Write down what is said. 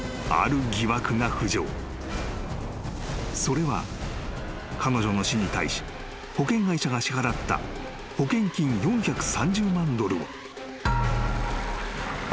［それは彼女の死に対し保険会社が支払った保険金］ああ。